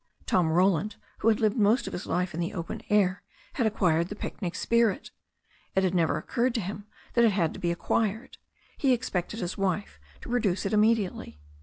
Tom Roland, who had lived most of his life in the open air, had acquired the picnic spirit. It had never occurred to him that it had to be acquired. He expected his wife to produce it immediately.